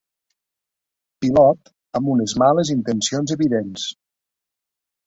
Pilot amb unes males intencions evidents.